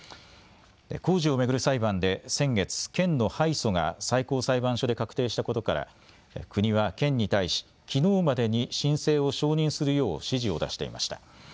工事を巡る裁判で先月、県の敗訴が最高裁判所で確定したことから国は県に対し、きのうまでに申請を承認するよう指示を出していました。